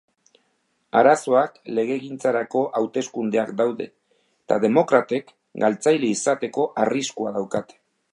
Azaroan legegintzarako hauteskundeak daude, eta demokratek galtzaile izateko arriskua daukate.